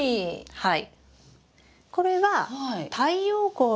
はい。